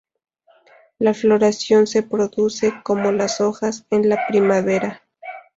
La floración se produce, como las hojas, en la primavera.